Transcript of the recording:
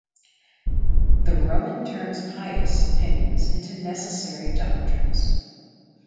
The Roman turns pious opinions into necessary doctrines.